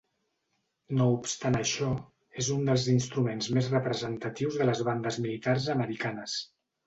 No obstant això, és un dels instruments més representatius de les bandes militars americanes.